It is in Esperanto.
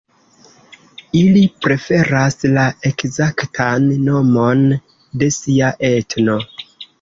Ili preferas la ekzaktan nomon de sia etno.